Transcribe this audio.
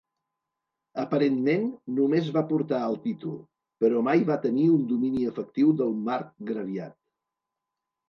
Aparentment només va portar el títol però mai va tenir un domini efectiu del marcgraviat.